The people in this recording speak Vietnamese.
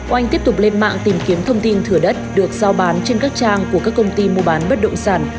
oanh tiếp tục lên mạng tìm kiếm thông tin thửa đất được giao bán trên các trang của các công ty mua bán bất động sản